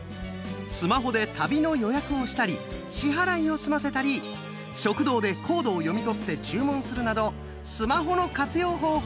スマホで旅の予約をしたり支払いを済ませたり食堂でコードを読み取って注文するなどスマホの活用方法